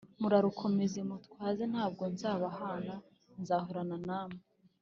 Murarukomeze mutwaze ntabwo nzabahana nzahorana namwe